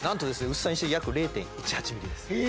薄さにして約０．１８ｍｍですえ！